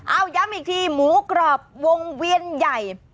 เอาย้ำอีกทีหมูกรอบวงเวียนใหญ่